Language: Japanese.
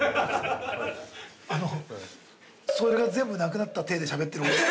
あのそれが全部なくなったていでしゃべってる。